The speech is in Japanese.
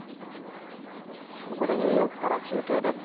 ここでニューヨークから中継です。